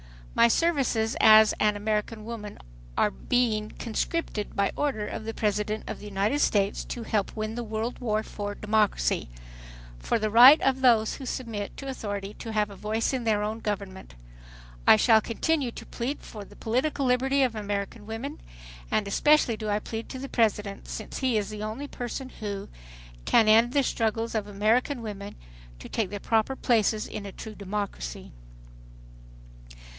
.. "My services as an American woman are being conscripted by order of the President of the United States to help win the world war for democracy .... 'for the right of those who submit to authority to have a voice in their own government.' I shall continue to plead for the political liberty of American women and especially do I plead to the President, since he is the one person who ... can end the struggles of American women to take their proper places in a true democracy."